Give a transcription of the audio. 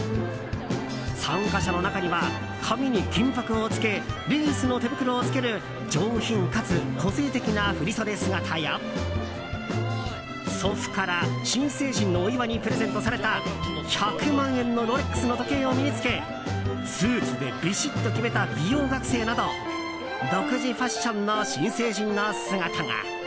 参加者の中には、髪に金箔をつけレースの手袋を着ける上品かつ個性的な振り袖姿や祖父から新成人のお祝いにプレゼントされた１００万円のロレックスの時計を身に着けスーツでビシッと決めた美容学生など独自ファッションの新成人の姿が。